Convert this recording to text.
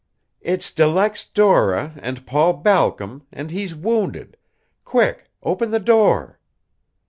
"It's De Luxe Dora and Paul Balcom, and he's wounded. Quick, open the door!"